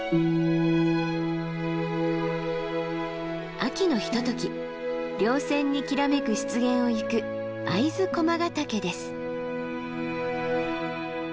秋のひととき稜線にきらめく湿原を行く会津駒ヶ岳です。